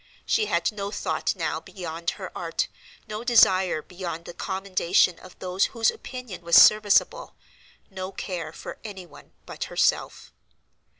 She had no thought now beyond her art, no desire beyond the commendation of those whose opinion was serviceable, no care for any one but herself.